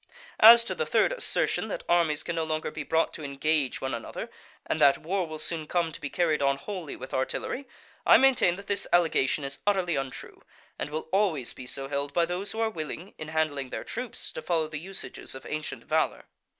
As to the third assertion, that armies can no longer be brought to engage one another, and that war will soon come to be carried on wholly with artillery, I maintain that this allegation is utterly untrue, and will always be so held by those who are willing in handling their troops to follow the usages of ancient valour.